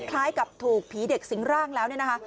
คล้ายกับถูกผีเด็กสิงหร่างแล้ว